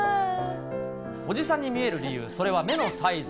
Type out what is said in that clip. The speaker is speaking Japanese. おじさんに見える理由、それは目のサイズ。